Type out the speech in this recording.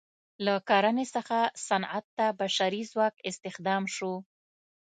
له کرنې څخه صنعت ته بشري ځواک استخدام شو.